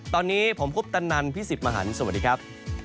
ตอนนี้ผมคุปตันนันพี่สิทธิ์มหันฯสวัสดีครับ